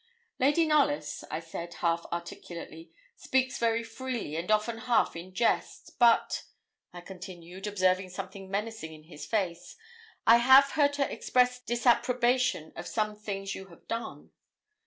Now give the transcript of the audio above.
'Lady Knollys,' I said, half articulately, 'speaks very freely, and often half in jest; but,' I continued, observing something menacing in his face, 'I have heard her express disapprobation of some things you have done.'